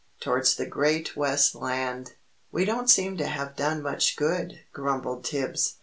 TOWARDS THE GREAT WEST LAND "We don't seem to have done much good," grumbled Tibbs.